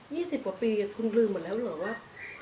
สิบกว่าปีคุณลืมหมดแล้วเหรอว่า